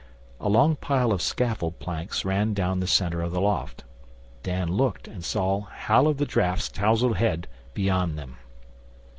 A long pile of scaffold planks ran down the centre of the loft. Dan looked, and saw Hal o' the Draft's touzled head beyond them.